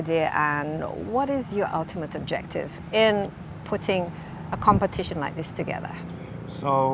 dan apa tujuan terakhir anda dalam membuat kompetisi seperti ini bersama